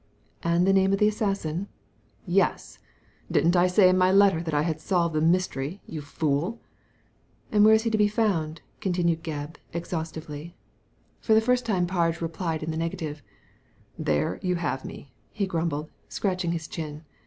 *' And the name of the assassin ?" "Yes ! Didn't I say in my letter that I had solved the mystery, you fool ?" "And where he is to be found ?" continued Gebb, exhaustively. For the first time Parge replied in the n^ative. " There you have me/' he grumbled, scratching his chin.